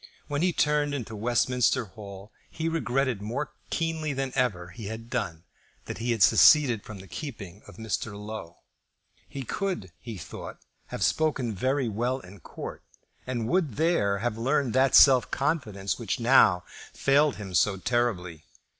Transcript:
When he turned into Westminster Hall he regretted more keenly than ever he had done that he had seceded from the keeping of Mr. Low. He could, he thought, have spoken very well in court, and would there have learned that self confidence which now failed him so terribly.